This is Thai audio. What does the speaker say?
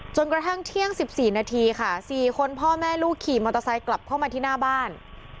กระทั่งเที่ยง๑๔นาทีค่ะ๔คนพ่อแม่ลูกขี่มอเตอร์ไซค์กลับเข้ามาที่หน้าบ้าน